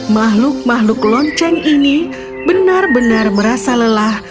makhluk makhluk lonceng ini benar benar merasa lelah